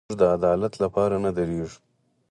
موږ د عدالت لپاره نه درېږو.